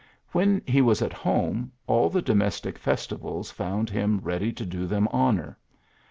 Wlien he was at home, all the domestic festivals found him ready to do them honor.